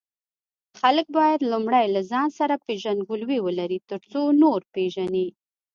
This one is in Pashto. خلک باید لومړی له ځان سره پیژندګلوي ولري، ترڅو نور پیژني.